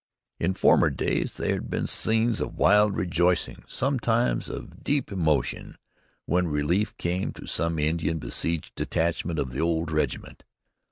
In former days there had been scenes of wild rejoicing, sometimes of deep emotion, when relief came to some Indian besieged detachment of the old regiment.